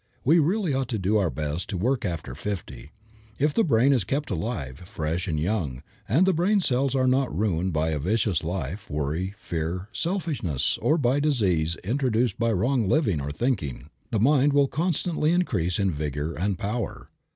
We really ought to do our best work after fifty. If the brain is kept active, fresh and young, and the brain cells are not ruined by a vicious life, worry, fear, selfishness, or by disease induced by wrong living or thinking, the mind will constantly increase in vigor and power.